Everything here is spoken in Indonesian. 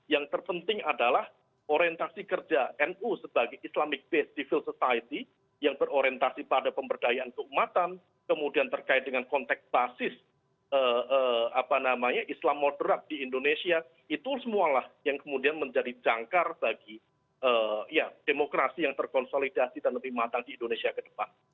yang terpenting adalah orientasi kerja nu sebagai islamic based civil society yang berorientasi pada pemberdayaan keumatan kemudian terkait dengan konteks basis islam moderat di indonesia itu semualah yang kemudian menjadi jangkar bagi demokrasi yang terkonsolidasi dan lebih matang di indonesia ke depan